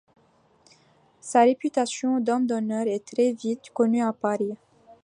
Sa réputation d'homme d'honneur est très vite connue à Paris.